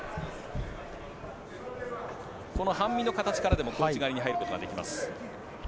この半身の形からでも小内刈りに入ることができます。